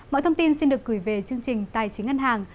mọi thông tin xin được gửi về chương trình tài chính ngân hàng